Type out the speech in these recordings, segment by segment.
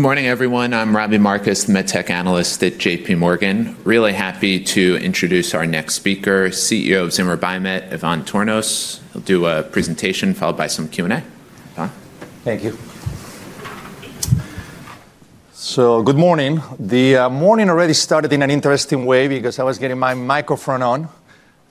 Good morning, everyone. I'm Robbie Marcus, the MedTech analyst at J.P. Morgan. Really happy to introduce our next speaker, CEO of Zimmer Biomet, Ivan Tornos. He'll do a presentation followed by some Q&A. Thank you. Good morning. The morning already started in an interesting way because I was getting my microphone on,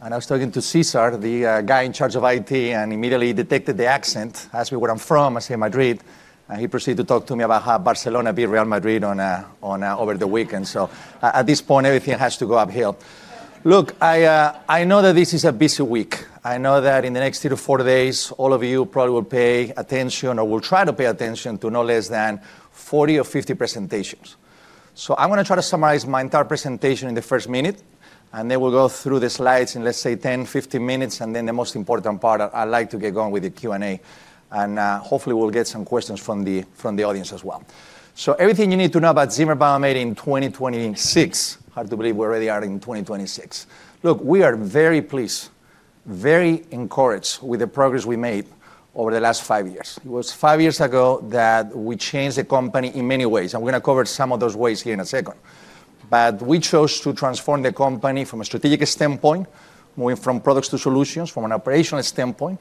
and I was talking to Cesar, the guy in charge of IT, and immediately detected the accent. He asked me where I'm from. I say, "Madrid." And he proceeded to talk to me about how Barcelona beat Real Madrid over the weekend. So at this point, everything has to go uphill. Look, I know that this is a busy week. I know that in the next three to four days, all of you probably will pay attention or will try to pay attention to no less than 40 or 50 presentations. So I'm going to try to summarize my entire presentation in the first minute, and then we'll go through the slides in, let's say, 10, 15 minutes, and then the most important part, I like to get going with the Q&A. Hopefully, we'll get some questions from the audience as well. Everything you need to know about Zimmer Biomet in 2026. Hard to believe we already are in 2026. Look, we are very pleased, very encouraged with the progress we made over the last five years. It was five years ago that we changed the company in many ways. I'm going to cover some of those ways here in a second. We chose to transform the company from a strategic standpoint, moving from products to solutions, from an operational standpoint,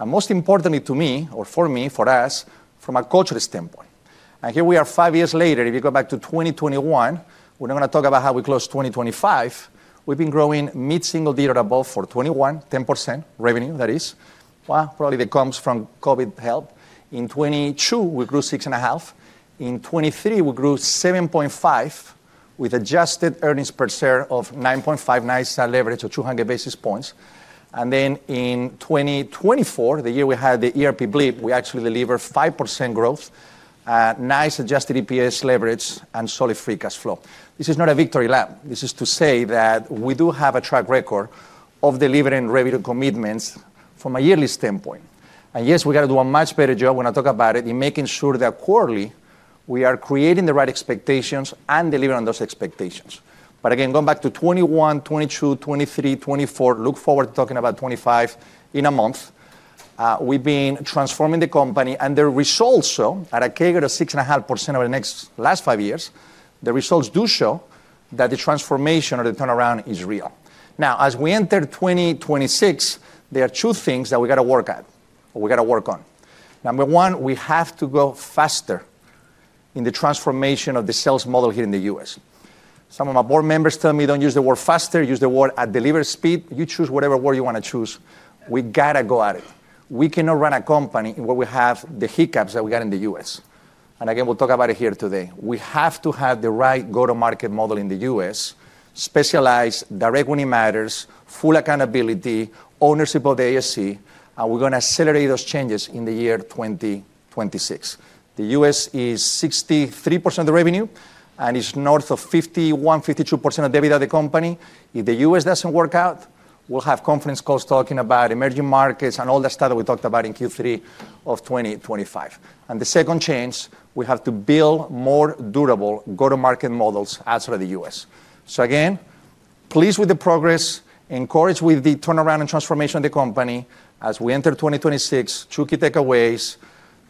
and most importantly to me, or for me, for us, from a cultural standpoint. Here we are five years later. If you go back to 2021, we're not going to talk about how we closed 2025. We've been growing mid-single digit above for 2021, 10% revenue, that is. Probably that comes from COVID help. In 2022, we grew 6.5%. In 2023, we grew 7.5% with adjusted earnings per share of $9.50. Nice leverage of 200 basis points. And then in 2024, the year we had the ERP blip, we actually delivered 5% growth, nice adjusted EPS leverage, and solid free cash flow. This is not a victory lap. This is to say that we do have a track record of delivering revenue commitments from a yearly standpoint. And yes, we got to do a much better job when I talk about it in making sure that quarterly we are creating the right expectations and delivering on those expectations. But again, going back to 2021, 2022, 2023, 2024, look forward to talking about 2025 in a month. We've been transforming the company, and the results show at a CAGR of 6.5% over the last five years. The results do show that the transformation or the turnaround is real. Now, as we enter 2026, there are two things that we got to work at or we got to work on. Number one, we have to go faster in the transformation of the sales model here in the U.S. Some of my board members tell me, "Don't use the word faster. Use the word at delivery speed." You choose whatever word you want to choose. We got to go at it. We cannot run a company where we have the hiccups that we got in the U.S., and again, we'll talk about it here today. We have to have the right go-to-market model in the U.S., specialized, direct when it matters, full accountability, ownership of the ASC, and we're going to accelerate those changes in the year 2026. The U.S. is 63% of the revenue, and it's north of 51%-52% of the debt of the company. If the U.S. doesn't work out, we'll have conference calls talking about emerging markets and all that stuff that we talked about in Q3 of 2025. And the second change, we have to build more durable go-to-market models outside of the U.S. So again, pleased with the progress, encouraged with the turnaround and transformation of the company as we enter 2026, two key takeaways.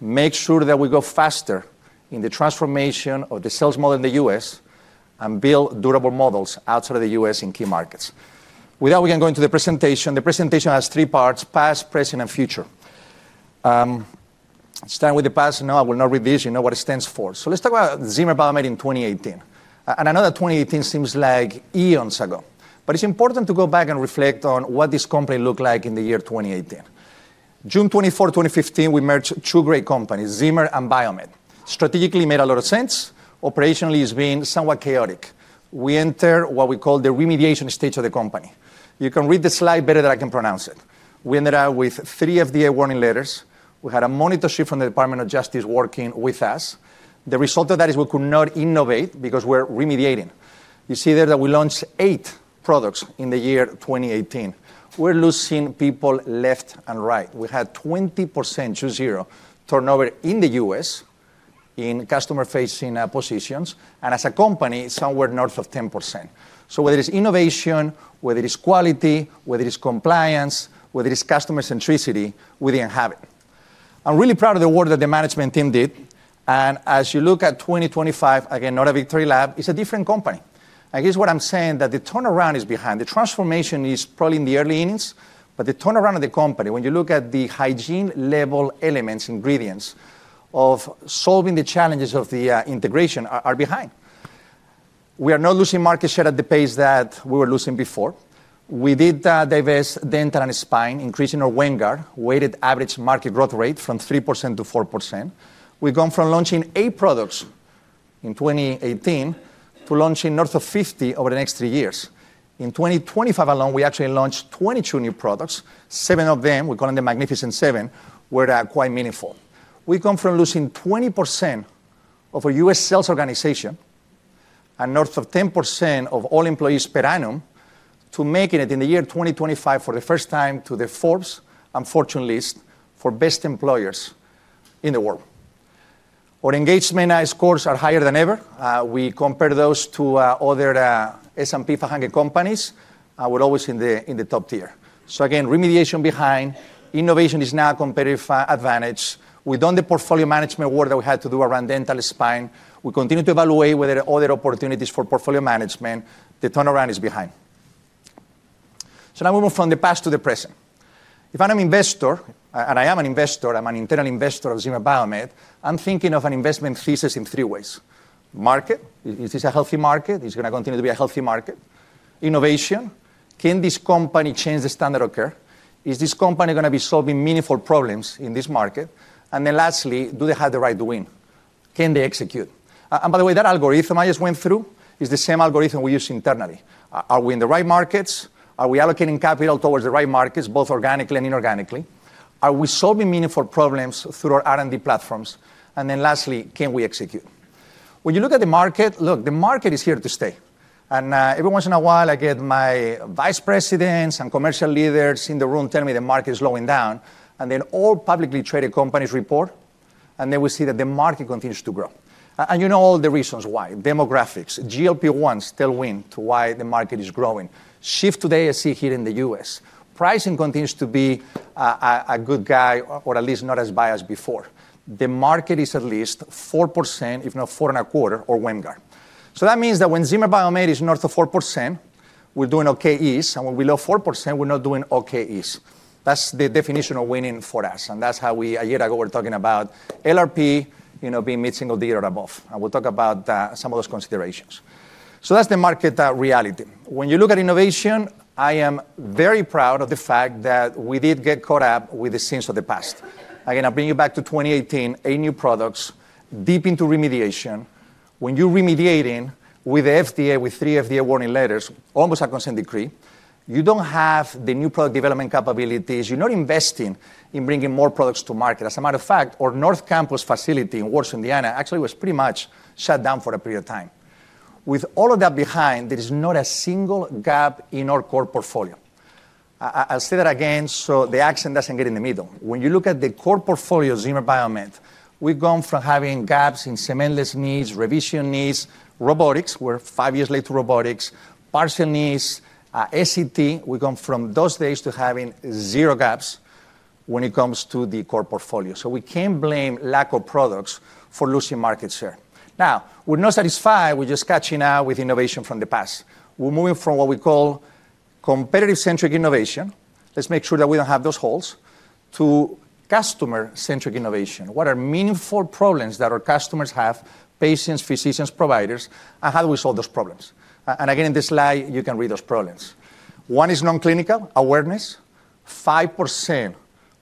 Make sure that we go faster in the transformation of the sales model in the U.S. and build durable models outside of the U.S. in key markets. With that, we can go into the presentation. The presentation has three parts: past, present, and future. Starting with the past, no, I will not read this. You know what it stands for. So let's talk about Zimmer Biomet in 2018. And I know that 2018 seems like eons ago, but it's important to go back and reflect on what this company looked like in the year 2018. June 24, 2015, we merged two great companies, Zimmer and Biomet. Strategically, it made a lot of sense. Operationally, it's been somewhat chaotic. We entered what we call the remediation stage of the company. You can read the slide better than I can pronounce it. We ended up with three FDA warning letters. We had a monitorship from the Department of Justice working with us. The result of that is we could not innovate because we're remediating. You see there that we launched eight products in the year 2018. We're losing people left and right. We had 20%, two-zero, turnover in the U.S. in customer-facing positions, and as a company, somewhere north of 10%. Whether it's innovation, whether it's quality, whether it's compliance, whether it's customer-centricity, we didn't have it. I'm really proud of the work that the management team did. As you look at 2025, again, not a victory lap. It's a different company. Here's what I'm saying, that the turnaround is behind. The transformation is probably in the early innings, but the turnaround of the company, when you look at the hygiene level elements, ingredients of solving the challenges of the integration, are behind. We are not losing market share at the pace that we were losing before. We did divest dental and spine, increasing our WAMGR, weighted average market growth rate from 3% to 4%. We've gone from launching eight products in 2018 to launching north of 50 over the next three years. In 2025 alone, we actually launched 22 new products. Seven of them, we call them the Magnificent Seven, were quite meaningful. We've gone from losing 20% of a U.S. sales organization and north of 10% of all employees per annum to making it in the year 2025, for the first time, to the Forbes' World's Best Employers list. Our engagement scores are higher than ever. We compare those to other S&P 500 companies. We're always in the top tier. So again, remediation behind. Innovation is now a competitive advantage. We've done the portfolio management work that we had to do around dental and spine. We continue to evaluate whether other opportunities for portfolio management. The turnaround is behind. So now we move from the past to the present. If I'm an investor, and I am an investor, I'm an internal investor of Zimmer Biomet, I'm thinking of an investment thesis in three ways. Market, is this a healthy market? Is it going to continue to be a healthy market? Innovation, can this company change the standard of care? Is this company going to be solving meaningful problems in this market? And then lastly, do they have the right to win? Can they execute? And by the way, that algorithm I just went through is the same algorithm we use internally. Are we in the right markets? Are we allocating capital towards the right markets, both organically and inorganically? Are we solving meaningful problems through our R&D platforms? And then lastly, can we execute? When you look at the market, look, the market is here to stay. And every once in a while, I get my vice presidents and commercial leaders in the room telling me the market is slowing down. Then all publicly traded companies report, and then we see that the market continues to grow. You know all the reasons why. Demographics, GLP-1s tailwind to why the market is growing. Shift to the ASC here in the U.S. Pricing continues to be a tailwind, or at least not as bad as before. The market is at least 4%, if not 4 and a quarter, or WAMGR. That means that when Zimmer Biomet is north of 4%, we're doing OKs. When we below 4%, we're not doing OKs. That's the definition of winning for us. That's how we a year ago were talking about LRP being mid-single digit or above. We'll talk about some of those considerations. That's the market reality. When you look at innovation, I am very proud of the fact that we did get caught up with the sins of the past. Again, I bring you back to 2018, eight new products, deep into remediation. When you're remediating with the FDA, with three FDA warning letters, almost a consent decree, you don't have the new product development capabilities. You're not investing in bringing more products to market. As a matter of fact, our North Campus facility in Warsaw, Indiana, actually was pretty much shut down for a period of time. With all of that behind, there is not a single gap in our core portfolio. I'll say that again so the accent doesn't get in the middle. When you look at the core portfolio of Zimmer Biomet, we've gone from having gaps in cementless needs, revision needs, robotics. We're five years late to robotics. Partial needs, SET. We've gone from those days to having zero gaps when it comes to the core portfolio. So we can't blame lack of products for losing market share. Now, we're not satisfied. We're just catching up with innovation from the past. We're moving from what we call competitive-centric innovation. Let's make sure that we don't have those holes to customer-centric innovation. What are meaningful problems that our customers have, patients, physicians, providers, and how do we solve those problems? And again, in this slide, you can read those problems. One is non-clinical awareness. 5%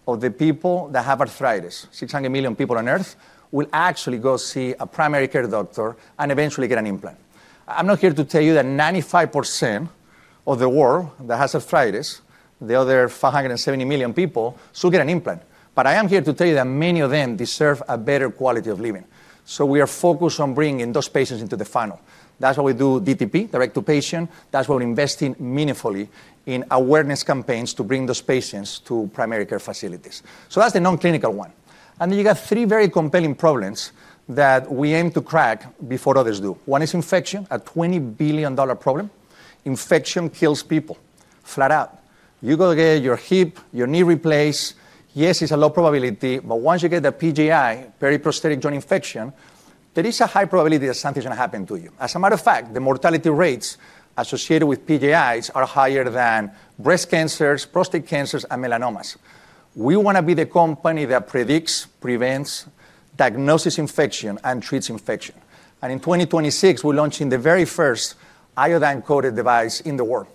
of the people that have arthritis, 600 million people on Earth, will actually go see a primary care doctor and eventually get an implant. I'm not here to tell you that 95% of the world that has arthritis, the other 570 million people, should get an implant. But I am here to tell you that many of them deserve a better quality of living. So we are focused on bringing those patients into the funnel. That's why we do DTP, direct to patient. That's why we're investing meaningfully in awareness campaigns to bring those patients to primary care facilities. So that's the non-clinical one. And then you got three very compelling problems that we aim to crack before others do. One is infection, a $20 billion problem. Infection kills people, flat out. You go get your hip, your knee replaced. Yes, it's a low probability, but once you get the PJI, periprosthetic joint infection, there is a high probability that something's going to happen to you. As a matter of fact, the mortality rates associated with PJIs are higher than breast cancers, prostate cancers, and melanomas. We want to be the company that predicts, prevents, diagnoses infection, and treats infection, and in 2026, we're launching the very first iodine-coated device in the world.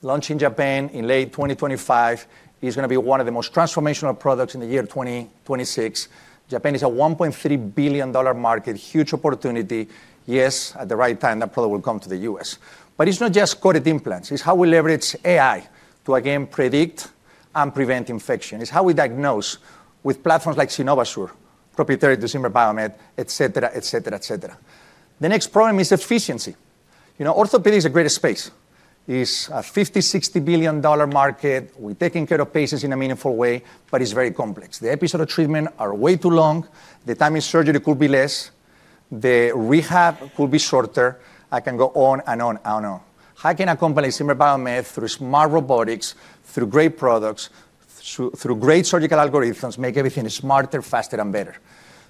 Launch in Japan in late 2025. It's going to be one of the most transformational products in the year 2026. Japan is a $1.3 billion market, huge opportunity. Yes, at the right time, that product will come to the U.S., but it's not just coated implants. It's how we leverage AI to, again, predict and prevent infection. It's how we diagnose with platforms like Synovasure, proprietary to Zimmer Biomet, et cetera, et cetera, et cetera. The next problem is efficiency. Orthopedics is the greatest space. It's a $50 billion-$60 billion market. We're taking care of patients in a meaningful way, but it's very complex. The episodes of treatment are way too long. The time in surgery could be less. The rehab could be shorter. I can go on and on and on. How can a company like Zimmer Biomet through smart robotics, through great products, through great surgical algorithms make everything smarter, faster, and better?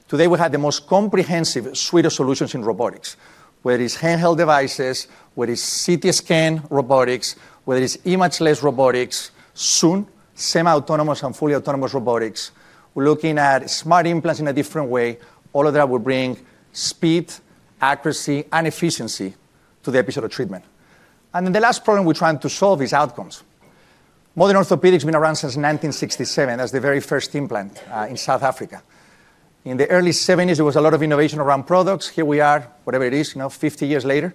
Today, we have the most comprehensive suite of solutions in robotics, whether it's handheld devices, whether it's CT scan robotics, whether it's image-less robotics, soon semi-autonomous and fully autonomous robotics. We're looking at smart implants in a different way. All of that will bring speed, accuracy, and efficiency to the episode of treatment. And then the last problem we're trying to solve is outcomes. Modern orthopedics has been around since 1967 as the very first implant in South Africa. In the early 1970s, there was a lot of innovation around products. Here we are, whatever it is, 50 years later,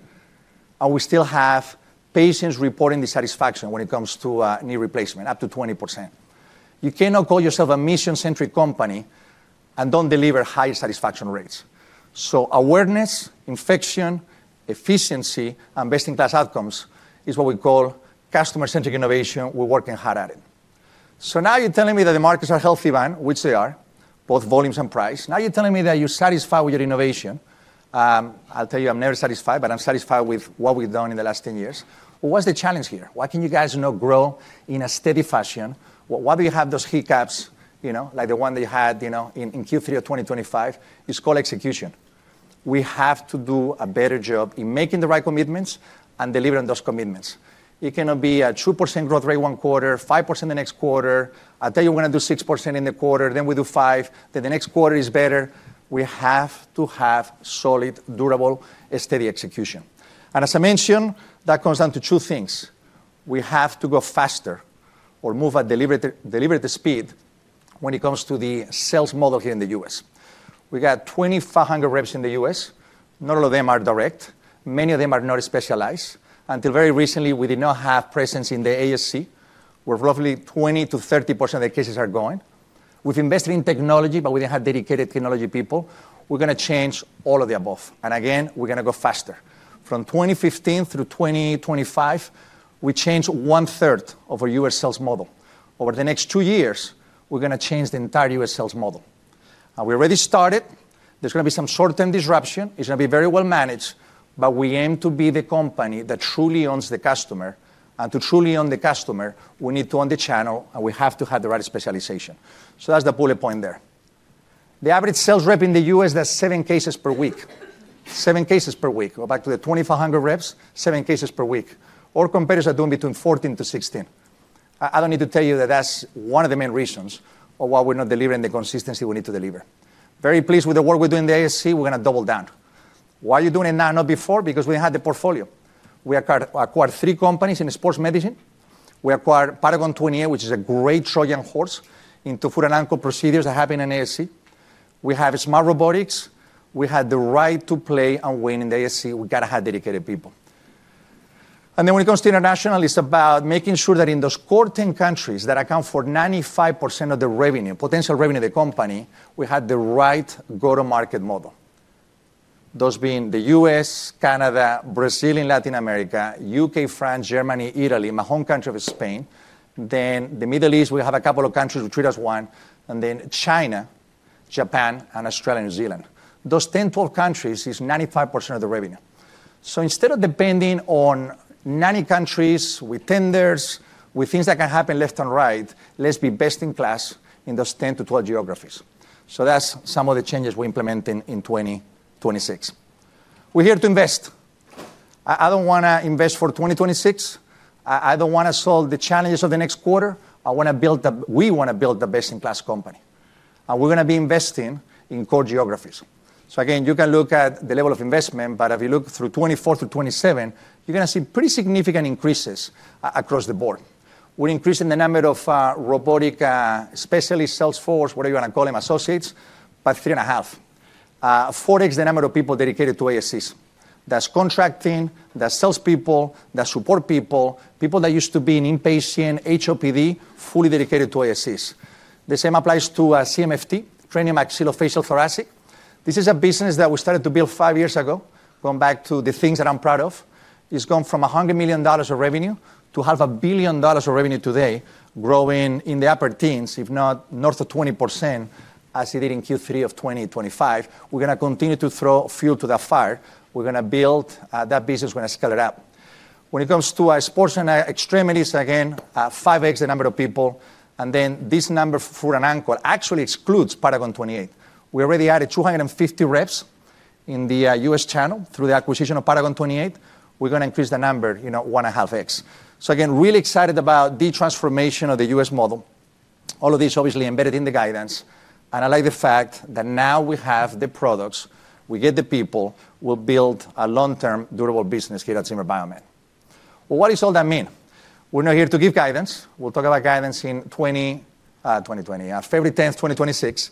and we still have patients reporting dissatisfaction when it comes to knee replacement, up to 20%. You cannot call yourself a mission-centric company and don't deliver high satisfaction rates. So awareness, infection, efficiency, and best-in-class outcomes is what we call customer-centric innovation. We're working hard at it. So now you're telling me that the markets are healthy, which they are, both volumes and price. Now you're telling me that you're satisfied with your innovation. I'll tell you, I'm never satisfied, but I'm satisfied with what we've done in the last 10 years. What's the challenge here? Why can you guys not grow in a steady fashion? Why do you have those hiccups like the one that you had in Q3 of 2025? It's called execution. We have to do a better job in making the right commitments and delivering those commitments. It cannot be a 2% growth rate one quarter, 5% the next quarter. I'll tell you, we're going to do 6% in the quarter, then we do 5%, then the next quarter is better. We have to have solid, durable, steady execution, and as I mentioned, that comes down to two things. We have to go faster or move at deliberate speed when it comes to the sales model here in the U.S. We got 2,500 reps in the U.S. Not all of them are direct. Many of them are not specialized. Until very recently, we did not have presence in the ASC. We're roughly 20%-30% of the cases are going. We've invested in technology, but we didn't have dedicated technology people. We're going to change all of the above, and again, we're going to go faster. From 2015 through 2025, we changed one-third of our U.S. sales model. Over the next two years, we're going to change the entire U.S. sales model, and we already started. There's going to be some short-term disruption. It's going to be very well managed, but we aim to be the company that truly owns the customer, and to truly own the customer, we need to own the channel, and we have to have the right specialization, so that's the bullet point there. The average sales rep in the U.S., that's seven cases per week. Seven cases per week. Go back to the 2,500 reps, seven cases per week. Our competitors are doing between 14-16. I don't need to tell you that that's one of the main reasons of why we're not delivering the consistency we need to deliver. Very pleased with the work we're doing in the ASC. We're going to double down. Why are you doing it now, not before? Because we had the portfolio. We acquired three companies in sports medicine. We acquired Paragon 28, which is a great Trojan horse into foot and ankle procedures that happen in ASC. We have smart robotics. We had the right to play and win in the ASC. We got to have dedicated people. And then when it comes to international, it's about making sure that in those core 10 countries that account for 95% of the revenue, potential revenue of the company, we had the right go-to-market model. Those being the U.S., Canada, Brazil, and Latin America, U.K., France, Germany, Italy, my home country of Spain. Then the Middle East, we have a couple of countries we treat as one, and then China, Japan, and Australia, New Zealand. Those 10, 12 countries is 95% of the revenue. So instead of depending on 90 countries with tenders, with things that can happen left and right, let's be best in class in those 10-12 geographies. That's some of the changes we're implementing in 2026. We're here to invest. I don't want to invest for 2026. I don't want to solve the challenges of the next quarter. I want to build the best-in-class company. We're going to be investing in core geographies. Again, you can look at the level of investment, but if you look through 2024 through 2027, you're going to see pretty significant increases across the board. We're increasing the number of robotic specialists, sales force, whatever you want to call them, associates, by 3.5x. 4X the number of people dedicated to ASCs. That's contracting. That's salespeople. That's support people. People that used to be in inpatient, HOPD, fully dedicated to ASCs. The same applies to CMFT, craniomaxillofacial thoracic. This is a business that we started to build five years ago, going back to the things that I'm proud of. It's gone from $100 million of revenue to $500 million of revenue today, growing in the upper teens, if not north of 20%, as it did in Q3 of 2025. We're going to continue to throw fuel to the fire. We're going to build that business. We're going to scale it up. When it comes to sports and extremities, again, 5X the number of people. And then this number for foot and ankle actually excludes Paragon 28. We already added 250 reps in the U.S. channel through the acquisition of Paragon 28. We're going to increase the number 1.5X. So again, really excited about the transformation of the U.S. model. All of this, obviously, embedded in the guidance. I like the fact that now we have the products. We get the people. We'll build a long-term, durable business here at Zimmer Biomet. What does all that mean? We're not here to give guidance. We'll talk about guidance in 2020, February 10th, 2026.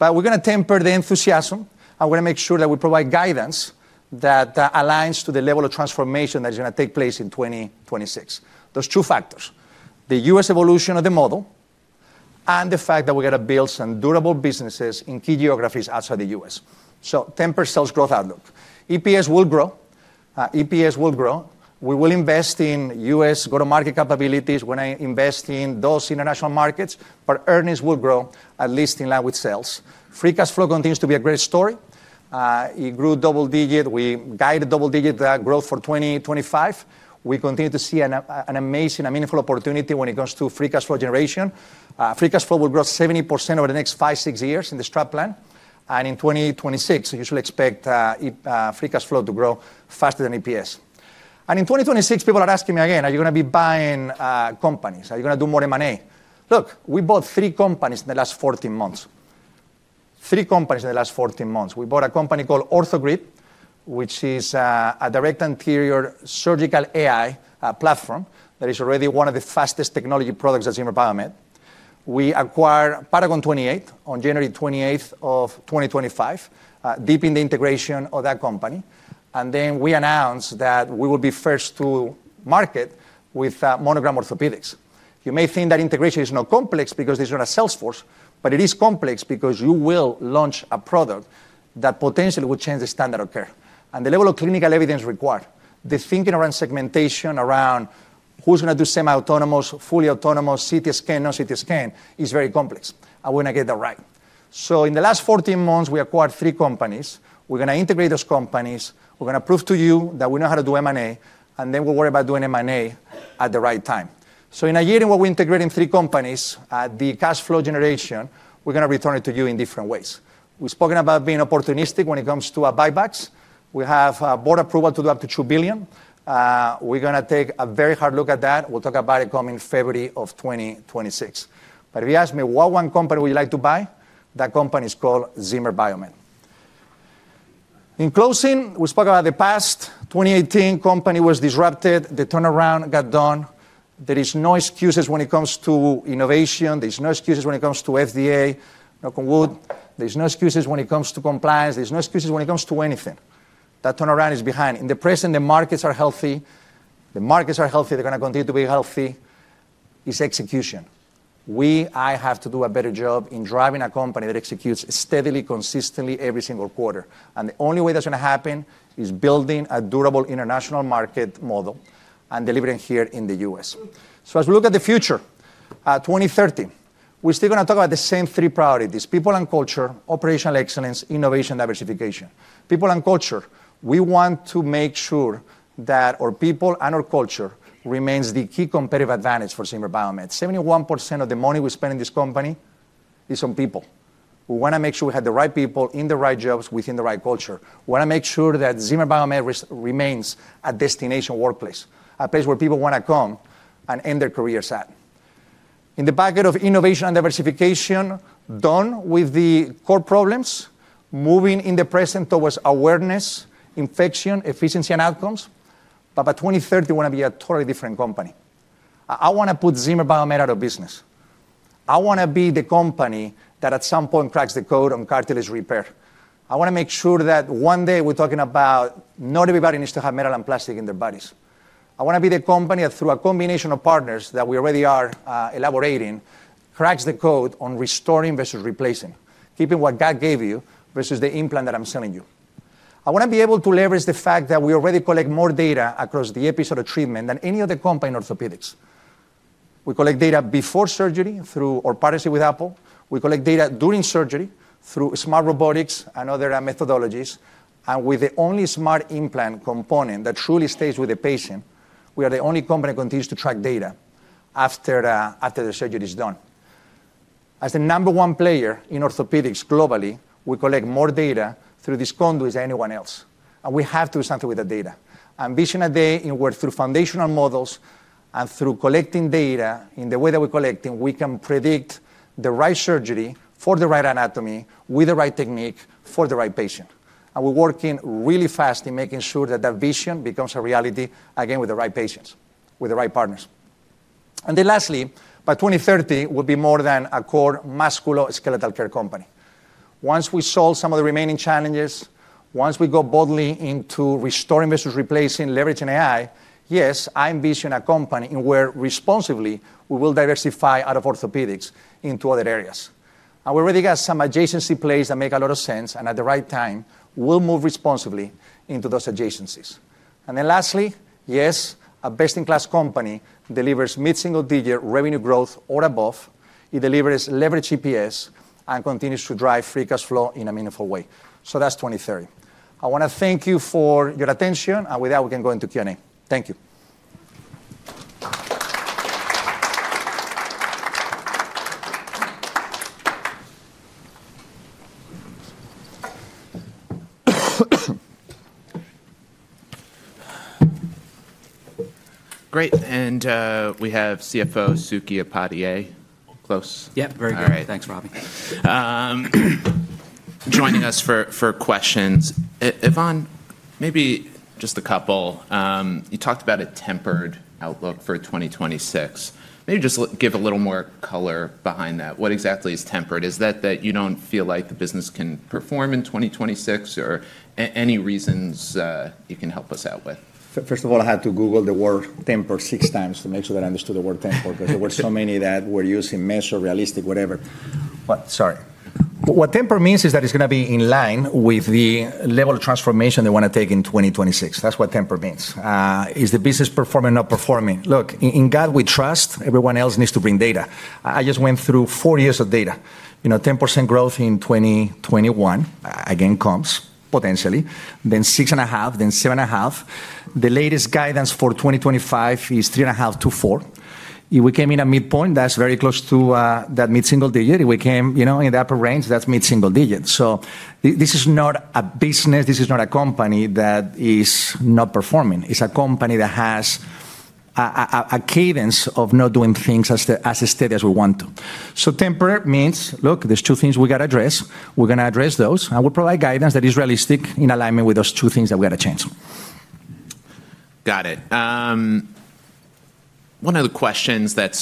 We're going to temper the enthusiasm. I want to make sure that we provide guidance that aligns to the level of transformation that is going to take place in 2026. There's two factors: the U.S. evolution of the model and the fact that we're going to build some durable businesses in key geographies outside the U.S. Temper sales growth outlook. EPS will grow. EPS will grow. We will invest in U.S. go-to-market capabilities when I invest in those international markets. Earnings will grow, at least in line with sales. Free cash flow continues to be a great story. It grew double-digit. We guided double-digit growth for 2025. We continue to see an amazing, meaningful opportunity when it comes to free cash flow generation. Free cash flow will grow 70% over the next five, six years in the strat plan, and in 2026, you should expect free cash flow to grow faster than EPS, and in 2026, people are asking me again, are you going to be buying companies? Are you going to do more M&A? Look, we bought three companies in the last 14 months. Three companies in the last 14 months. We bought a company called OrthoGrid, which is a direct anterior surgical AI platform that is already one of the fastest technology products at Zimmer Biomet. We acquired Paragon 28 on January 28th of 2025, deepening the integration of that company, and then we announced that we will be first to market with Monogram Orthopaedics. You may think that integration is not complex because it's not a sales force, but it is complex because you will launch a product that potentially will change the standard of care, and the level of clinical evidence required, the thinking around segmentation, around who's going to do semi-autonomous, fully autonomous, CT scan, non-CT scan, is very complex. I want to get that right, so in the last 14 months, we acquired three companies. We're going to integrate those companies. We're going to prove to you that we know how to do M&A, and then we'll worry about doing M&A at the right time, so in a year in what we integrate in three companies, the cash flow generation, we're going to return it to you in different ways. We've spoken about being opportunistic when it comes to buybacks. We have board approval to do up to $2 billion. We're going to take a very hard look at that. We'll talk about it, come February of 2026. But if you ask me what one company would you like to buy, that company is called Zimmer Biomet. In closing, we spoke about the past. In 2018, the company was disrupted. The turnaround got done. There are no excuses when it comes to innovation. There are no excuses when it comes to FDA, knock on wood. There are no excuses when it comes to compliance. There are no excuses when it comes to anything. That turnaround is behind. In the present, the markets are healthy. The markets are healthy. They're going to continue to be healthy. It's execution. I have to do a better job in driving a company that executes steadily, consistently every single quarter. And the only way that's going to happen is building a durable international market model and delivering here in the U.S. So as we look at the future, 2030, we're still going to talk about the same three priorities: people and culture, operational excellence, innovation, diversification. People and culture. We want to make sure that our people and our culture remain the key competitive advantage for Zimmer Biomet. 71% of the money we spend in this company is on people. We want to make sure we have the right people in the right jobs within the right culture. We want to make sure that Zimmer Biomet remains a destination workplace, a place where people want to come and end their careers at. In the bucket of innovation and diversification, done with the core problems, moving in the present towards awareness, infection, efficiency, and outcomes. But by 2030, we want to be a totally different company. I want to put Zimmer Biomet out of business. I want to be the company that at some point cracks the code on cartilage repair. I want to make sure that one day we're talking about not everybody needs to have metal and plastic in their bodies. I want to be the company that, through a combination of partners that we already are elaborating, cracks the code on restoring versus replacing, keeping what God gave you versus the implant that I'm selling you. I want to be able to leverage the fact that we already collect more data across the episode of treatment than any other company in orthopedics. We collect data before surgery through our partnership with Apple. We collect data during surgery through smart robotics and other methodologies. And with the only smart implant component that truly stays with the patient, we are the only company that continues to track data after the surgery is done. As the number one player in orthopedics globally, we collect more data through these conduits than anyone else. And we have to do something with the data. Imagine a day where through foundational models and through collecting data in the way that we're collecting, we can predict the right surgery for the right anatomy with the right technique for the right patient. And we're working really fast in making sure that that vision becomes a reality, again, with the right patients, with the right partners. And then lastly, by 2030, we'll be more than a core musculoskeletal care company. Once we solve some of the remaining challenges, once we go boldly into restoring versus replacing, leveraging AI, yes, I envision a company where responsibly we will diversify out of orthopedics into other areas. And we already got some adjacency plays that make a lot of sense. And at the right time, we'll move responsibly into those adjacencies. And then lastly, yes, a best-in-class company delivers mid-single-digit revenue growth or above. It delivers leveraged EPS and continues to drive free cash flow in a meaningful way. So that's 2030. I want to thank you for your attention. And with that, we can go into Q&A. Thank you. Great. And we have CFO Suky Upadhyay close. Yep. Very good. Thanks, Robbie. Joining us for questions. Ivan, maybe just a couple. You talked about a tempered outlook for 2026. Maybe just give a little more color behind that. What exactly is tempered? Is that that you don't feel like the business can perform in 2026 or any reasons you can help us out with? First of all, I had to Google the word tempered six times to make sure that I understood the word tempered because there were so many that were using measured, realistic, whatever. Sorry. What tempered means is that it's going to be in line with the level of transformation they want to take in 2026. That's what tempered means. Is the business performing or not performing? Look, in God, we trust. Everyone else needs to bring data. I just went through four years of data. 10% growth in 2021, again, comes potentially. Then 6.5%, then 7.5%. The latest guidance for 2025 is 3.5%-4%. If we came in at midpoint, that's very close to that mid-single digit. If we came in the upper range, that's mid-single digit. So this is not a business. This is not a company that is not performing. It's a company that has a cadence of not doing things as steady as we want to. So tempered means, look, there's two things we got to address. We're going to address those. And we'll provide guidance that is realistic in alignment with those two things that we got to change. Got it. One of the questions that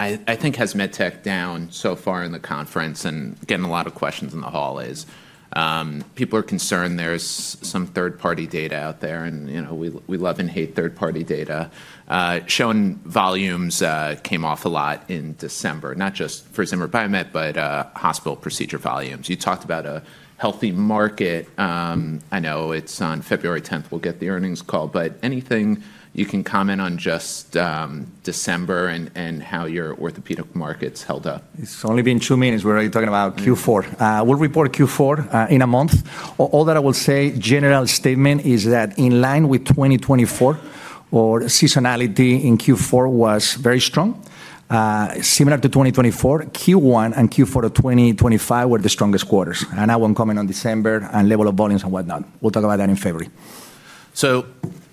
I think has met expectations down so far in the conference and getting a lot of questions in the hall is people are concerned there's some third-party data out there. And we love and hate third-party data. Shown volumes came off a lot in December, not just for Zimmer Biomet, but hospital procedure volumes. You talked about a healthy market. I know it's on February 10th. We'll get the earnings call. But anything you can comment on just December and how your orthopedic markets held up? It's only been two minutes. We're already talking about Q4. We'll report Q4 in a month. All that I will say, general statement, is that in line with 2024, our seasonality in Q4 was very strong. Similar to 2024, Q1 and Q4 of 2025 were the strongest quarters, and I won't comment on December and level of volumes and whatnot. We'll talk about that in February. So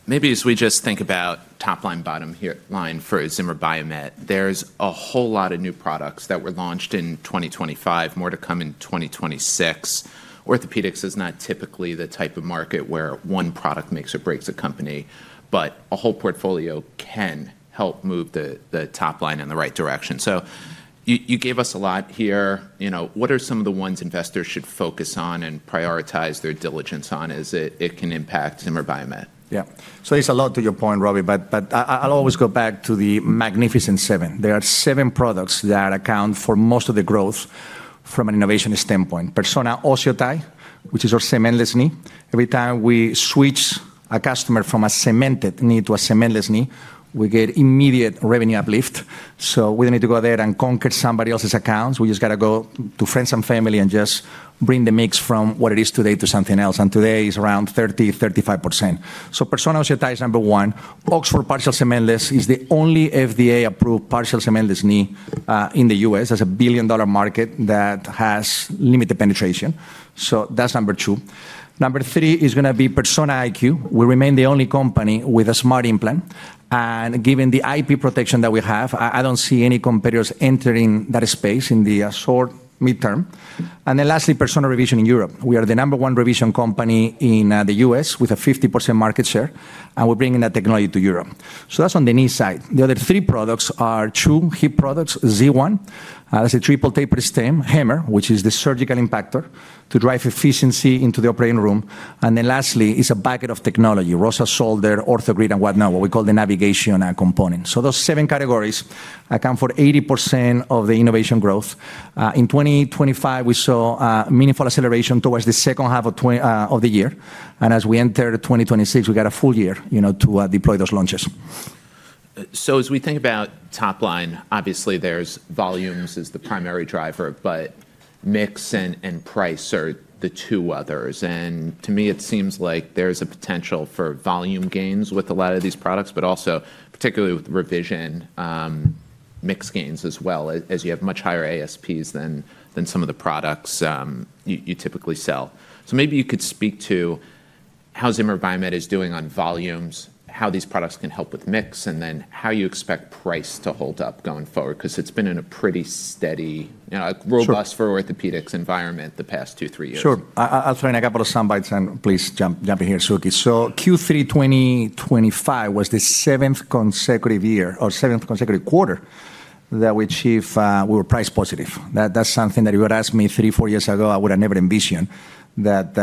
maybe as we just think about top line, bottom line for Zimmer Biomet, there's a whole lot of new products that were launched in 2025, more to come in 2026. Orthopedics is not typically the type of market where one product makes or breaks a company, but a whole portfolio can help move the top line in the right direction. So you gave us a lot here. What are some of the ones investors should focus on and prioritize their diligence on as it can impact Zimmer Biomet? Yeah. So there's a lot to your point, Robbie. But I'll always go back to the magnificent seven. There are seven products that account for most of the growth from an innovation standpoint. Persona OsseoTi, which is our cementless knee. Every time we switch a customer from a cemented knee to a cementless knee, we get immediate revenue uplift. So we don't need to go there and conquer somebody else's accounts. We just got to go to friends and family and just bring the mix from what it is today to something else. And today is around 30%-35%. So Persona OsseoTi is number one. Oxford Partial Cementless is the only FDA-approved partial cementless knee in the U.S. That's a billion-dollar market that has limited penetration. So that's number two. Number three is going to be Persona IQ. We remain the only company with a smart implant. And given the IP protection that we have, I don't see any competitors entering that space in the short, midterm. And then lastly, Persona Revision in Europe. We are the number one revision company in the U.S. with a 50% market share. And we're bringing that technology to Europe. So that's on the knee side. The other three products are two hip products, Z1. That's a triple tapered stem HAMR, which is the surgical impactor to drive efficiency into the operating room, and then lastly is a bucket of technology, ROSA Shoulder, OrthoGrid, and whatnot, what we call the navigation component, so those seven categories account for 80% of the innovation growth. In 2025, we saw a meaningful acceleration towards the second half of the year, and as we enter 2026, we got a full year to deploy those launches. So as we think about top line, obviously there's volumes as the primary driver, but mix and price are the two others, and to me, it seems like there's a potential for volume gains with a lot of these products, but also particularly with revision mix gains as well, as you have much higher ASPs than some of the products you typically sell. So maybe you could speak to how Zimmer Biomet is doing on volumes, how these products can help with mix, and then how you expect price to hold up going forward because it's been in a pretty steady, robust for orthopedics environment the past two, three years? Sure. I'll try and I got a couple of soundbites, and please jump in here, Suky. So Q3 2025 was the seventh consecutive year or seventh consecutive quarter that we achieved, we were price positive. That's something that if you had asked me three, four years ago, I would have never envisioned that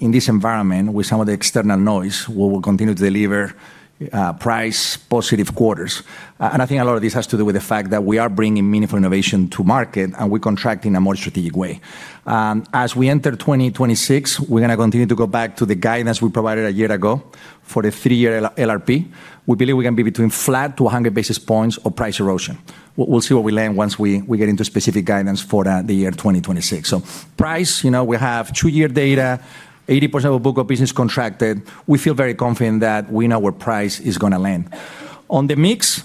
in this environment with some of the external noise, we will continue to deliver price positive quarters. And I think a lot of this has to do with the fact that we are bringing meaningful innovation to market and we're contracting in a more strategic way. As we enter 2026, we're going to continue to go back to the guidance we provided a year ago for a three-year LRP. We believe we can be between flat to 100 basis points of price erosion. We'll see what we land once we get into specific guidance for the year 2026. So price, we have two-year data, 80% of book of business contracted. We feel very confident that we know where price is going to land. On the mix,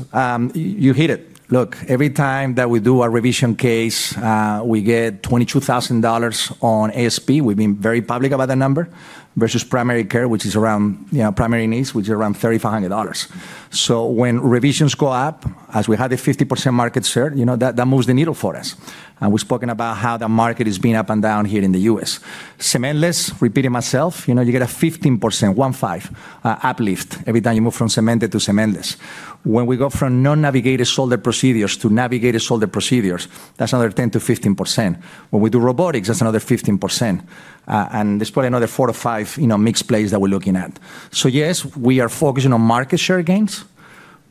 you hit it. Look, every time that we do a revision case, we get $22,000 on ASP. We've been very public about that number versus primary knees, which is around $3,500. So when revisions go up, as we had a 50% market share, that moves the needle for us. And we've spoken about how that market has been up and down here in the U.S. Cementless, repeating myself, you get a 15%, 1.5 uplift every time you move from cemented to cementless. When we go from non-navigated shoulder procedures to navigated shoulder procedures, that's another 10%-15%. When we do robotics, that's another 15%. And there's probably another four or five mixed plays that we're looking at. So yes, we are focusing on market share gains,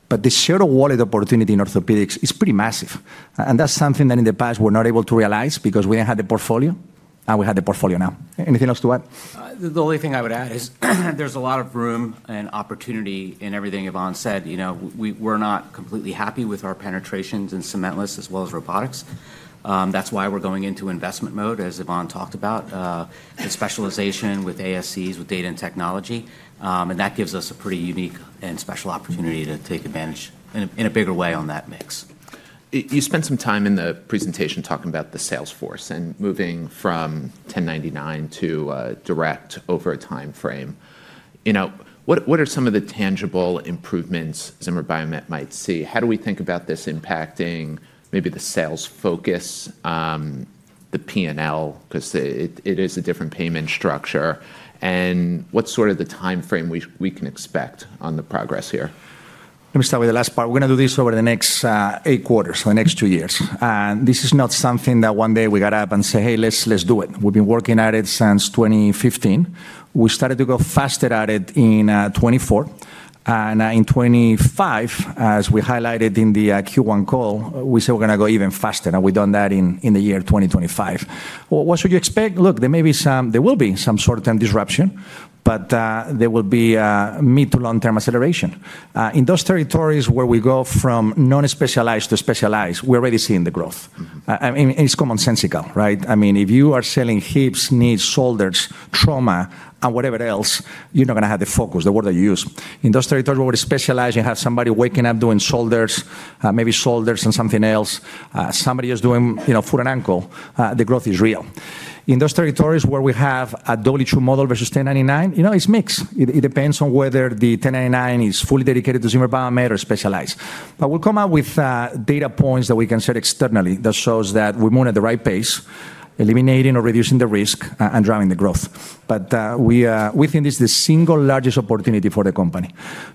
but the share of wallet opportunity in orthopedics is pretty massive. And that's something that in the past we were not able to realize because we didn't have the portfolio and we had the portfolio now. Anything else to add? The only thing I would add is there's a lot of room and opportunity in everything Ivan said. We're not completely happy with our penetrations in cementless as well as robotics. That's why we're going into investment mode, as Ivan talked about, the specialization with ASCs, with data and technology. And that gives us a pretty unique and special opportunity to take advantage in a bigger way on that mix. You spent some time in the presentation talking about the sales force and moving from 1099 to direct over a time frame. What are some of the tangible improvements Zimmer Biomet might see? How do we think about this impacting maybe the sales focus, the P&L, because it is a different payment structure? And what's sort of the time frame we can expect on the progress here? Let me start with the last part. We're going to do this over the next eight quarters, so the next two years. This is not something that one day we got up and said, "Hey, let's do it." We've been working at it since 2015. We started to go faster at it in 2024. And in 2025, as we highlighted in the Q1 call, we said we're going to go even faster. And we've done that in the year 2025. What should you expect? Look, there will be some short-term disruption, but there will be mid- to long-term acceleration. In those territories where we go from non-specialized to specialized, we're already seeing the growth. I mean, it's commonsensical, right? I mean, if you are selling hips, knees, shoulders, trauma, and whatever else, you're not going to have the focus, the word that you use. In those territories where we're specialized and have somebody waking up doing shoulders, maybe shoulders and something else, somebody who's doing foot and ankle, the growth is real. In those territories where we have a W-2 model versus 1099, it's mixed. It depends on whether the 1099 is fully dedicated to Zimmer Biomet or specialized. But we'll come out with data points that we can set externally that shows that we move at the right pace, eliminating or reducing the risk and driving the growth. But we think this is the single largest opportunity for the company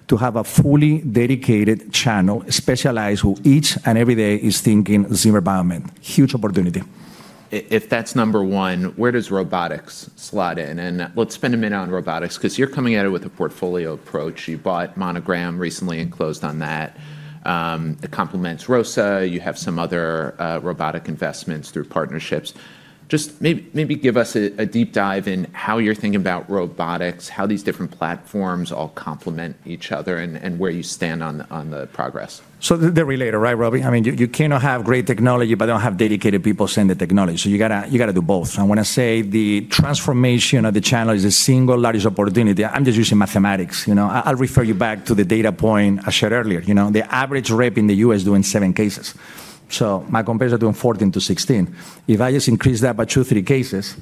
to have a fully dedicated channel, specialized who each and every day is thinking Zimmer Biomet. Huge opportunity. If that's number one, where does robotics slot in? And let's spend a minute on robotics because you're coming at it with a portfolio approach. You bought Monogram recently and closed on that. It complements ROSA. You have some other robotic investments through partnerships. Just maybe give us a deep dive in how you're thinking about robotics, how these different platforms all complement each other and where you stand on the progress. So they're related, right, Robbie? I mean, you cannot have great technology but don't have dedicated people sending the technology. So you got to do both. I want to say the transformation of the channel is a single largest opportunity. I'm just using mathematics. I'll refer you back to the data point I shared earlier. The average rep in the U.S. doing seven cases. So my competitors are doing 14-16. If I just increase that by two, three cases,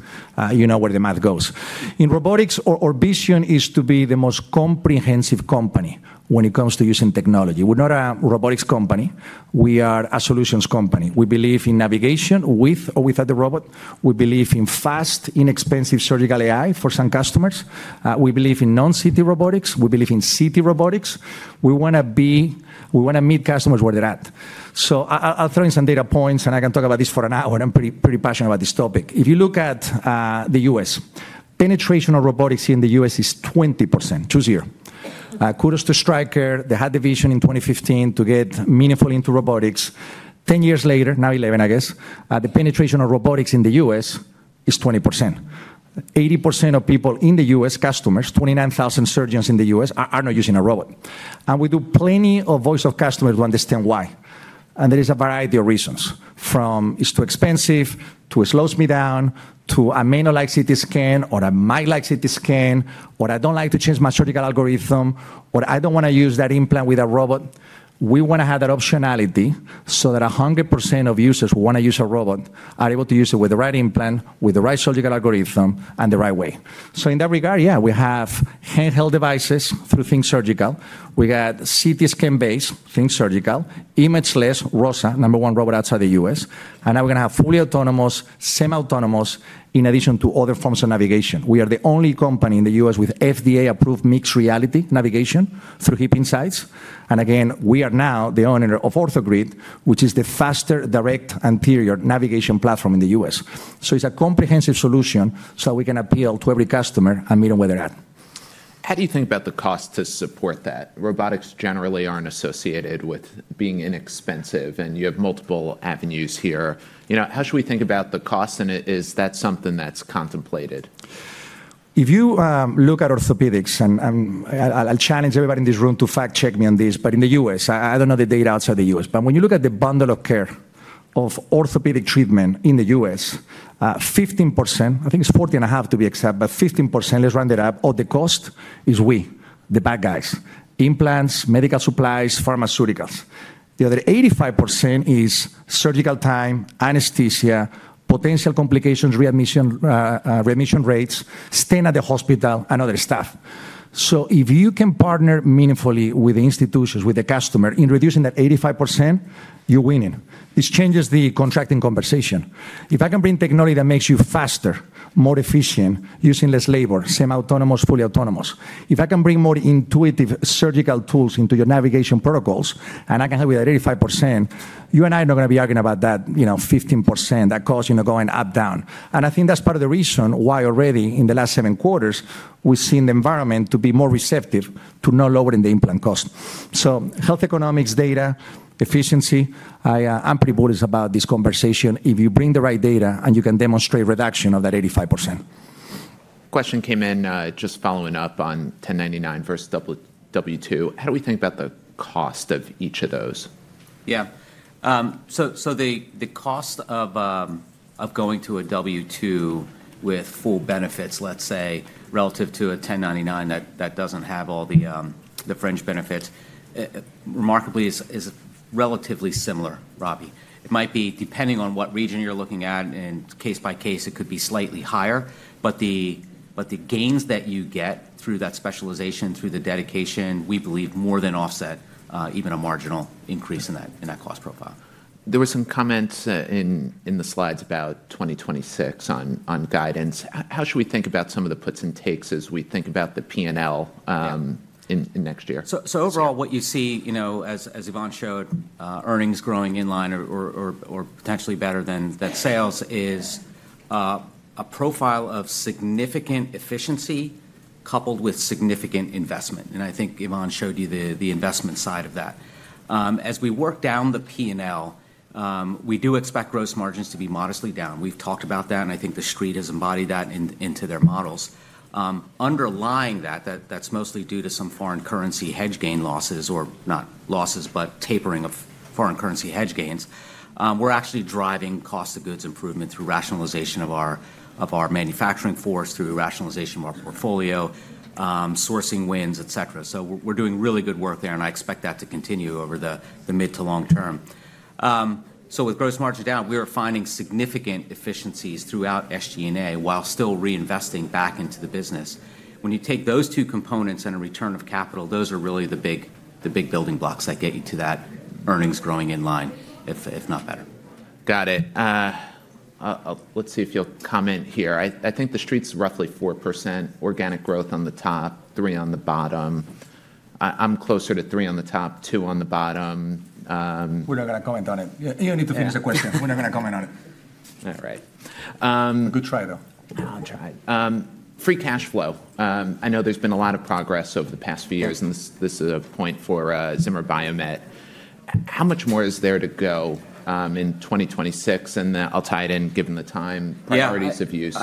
you know where the math goes. In robotics, our vision is to be the most comprehensive company when it comes to using technology. We're not a robotics company. We are a solutions company. We believe in navigation with or without the robot. We believe in fast, inexpensive surgical AI for some customers. We believe in non-CT robotics. We believe in CT robotics. We want to meet customers where they're at. So I'll throw in some data points, and I can talk about this for an hour. I'm pretty passionate about this topic. If you look at the U.S., penetration of robotics in the U.S. is 20%, two-zero. Kudos to Stryker. They had the vision in 2015 to get meaningful into robotics. 10 years later, now 11, I guess, the penetration of robotics in the U.S. is 20%. 80% of people in the U.S., customers, 29,000 surgeons in the U.S. are not using a robot. And we do plenty of voice of customers who understand why. There is a variety of reasons, from it's too expensive to it slows me down to I may not like CT scan or I might like CT scan or I don't like to change my surgical algorithm or I don't want to use that implant with a robot. We want to have that optionality so that 100% of users who want to use a robot are able to use it with the right implant, with the right surgical algorithm, and the right way. So in that regard, yeah, we have handheld devices through Think Surgical. We got CT scan-based Think Surgical, imageless, ROSA, number one robot outside the U.S. And now we're going to have fully autonomous, semi-autonomous in addition to other forms of navigation. We are the only company in the U.S. with FDA-approved mixed reality navigation through HipInsight. And again, we are now the owner of OrthoGrid, which is the faster direct anterior navigation platform in the U.S. So it's a comprehensive solution so we can appeal to every customer and meet them where they're at. How do you think about the cost to support that? Robotics generally aren't associated with being inexpensive, and you have multiple avenues here. How should we think about the cost, and is that something that's contemplated? If you look at orthopedics, and I'll challenge everybody in this room to fact-check me on this, but in the U.S., I don't know the data outside the U.S. But when you look at the bundle of care of orthopedic treatment in the U.S., 15%, I think it's 40 and a half to be exact, but 15%, let's round it up, of the cost is we, the bad guys, implants, medical supplies, pharmaceuticals. The other 85% is surgical time, anesthesia, potential complications, readmission rates, staying at the hospital, and other stuff, so if you can partner meaningfully with the institutions, with the customer in reducing that 85%, you're winning. This changes the contracting conversation. If I can bring technology that makes you faster, more efficient, using less labor, semi-autonomous, fully autonomous. If I can bring more intuitive surgical tools into your navigation protocols, and I can help with that 85%, you and I are not going to be arguing about that 15%, that cost going up, down, and I think that's part of the reason why already in the last seven quarters, we've seen the environment to be more receptive to not lowering the implant cost, so health economics, data, efficiency, I'm pretty bullish about this conversation. If you bring the right data and you can demonstrate reduction of that 85%. Question came in just following up on 1099 versus W-2. How do we think about the cost of each of those? Yeah. So the cost of going to a W-2 with full benefits, let's say, relative to a 1099 that doesn't have all the fringe benefits, remarkably is relatively similar, Robbie. It might be depending on what region you're looking at. In case by case, it could be slightly higher. But the gains that you get through that specialization, through the dedication, we believe more than offset even a marginal increase in that cost profile. There were some comments in the slides about 2026 on guidance. How should we think about some of the puts and takes as we think about the P&L in next year? So overall, what you see, as Ivan showed, earnings growing in line or potentially better than that sales is a profile of significant efficiency coupled with significant investment. And I think Ivan showed you the investment side of that. As we work down the P&L, we do expect gross margins to be modestly down. We've talked about that, and I think the street has embodied that into their models. Underlying that, that's mostly due to some foreign currency hedge gain losses, or not losses, but tapering of foreign currency hedge gains. We're actually driving cost of goods improvement through rationalization of our manufacturing force, through rationalization of our portfolio, sourcing wins, etc. So we're doing really good work there, and I expect that to continue over the mid to long term. So with gross margin down, we are finding significant efficiencies throughout SG&A while still reinvesting back into the business. When you take those two components and a return of capital, those are really the big building blocks that get you to that earnings growing in line, if not better. Got it. Let's see if you'll comment here. I think the street's roughly 4% organic growth on the top, 3% on the bottom. I'm closer to 3% on the top, 2% on the bottom. We're not going to comment on it. You don't need to finish the question. We're not going to comment on it. All right. Good try, though. I'll try. Free cash flow. I know there's been a lot of progress over the past few years, and this is a point for Zimmer Biomet. How much more is there to go in 2026? And I'll tie it in given the time, priorities of use.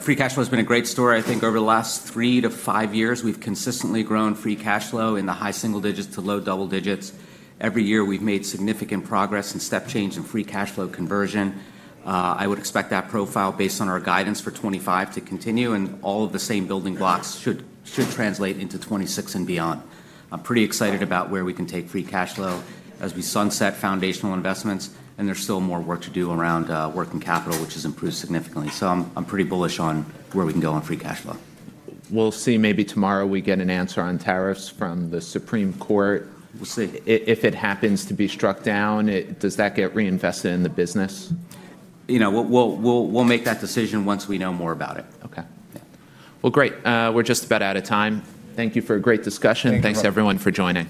Free cash flow has been a great story. I think over the last three to five years, we've consistently grown free cash flow in the high single digits to low double digits. Every year, we've made significant progress and step change in free cash flow conversion. I would expect that profile based on our guidance for 2025 to continue, and all of the same building blocks should translate into 2026 and beyond. I'm pretty excited about where we can take free cash flow as we sunset foundational investments, and there's still more work to do around working capital, which has improved significantly. So I'm pretty bullish on where we can go on free cash flow. We'll see maybe tomorrow we get an answer on tariffs from the Supreme Court. We'll see. If it happens to be struck down, does that get reinvested in the business? We'll make that decision once we know more about it. Okay. Well, great. We're just about out of time. Thank you for a great discussion. Thanks to everyone for joining.